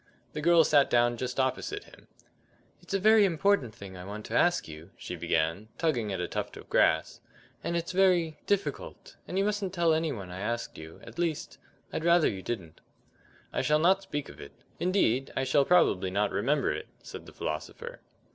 The girl sat down just opposite to him. "It's a very important thing I want to ask you," she began, tugging at a tuft of grass, "and it's very difficult, and you mustn't tell any one I asked you; at least, I'd rather you didn't." "I shall not speak of it; indeed, I shall probably not remember it," said the philosopher.